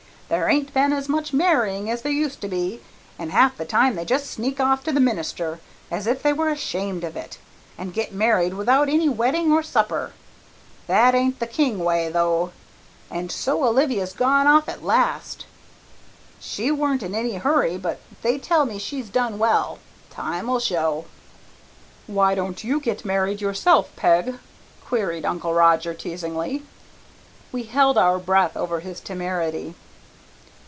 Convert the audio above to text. There ain't been as much marrying as there used to be, and half the time they just sneak off to the minister, as if they were ashamed of it, and get married without any wedding or supper. That ain't the King way, though. And so Olivia's gone off at last. She weren't in any hurry but they tell me she's done well. Time'll show." "Why don't you get married yourself, Peg?" queried Uncle Roger teasingly. We held our breath over his temerity.